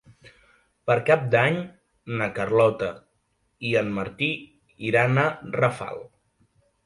Per Cap d'Any na Carlota i en Martí iran a Rafal.